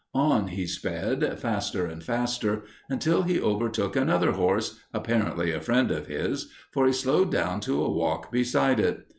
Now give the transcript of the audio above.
On he sped faster and faster, until he overtook another horse, apparently a friend of his, for he slowed down to a walk beside it.